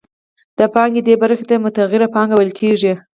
د پانګې دې برخې ته متغیره پانګه ویل کېږي